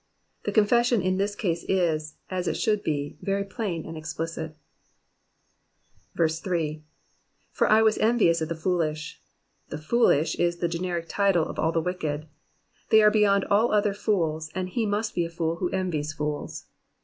The confession in this case is, as it should be, very plain and explicit. 8. ''^For I was envious at the foolish.'''' The foolish'* is the generic title of all the wicked : they are beyond all others fools, and he must be a fool who envies fools.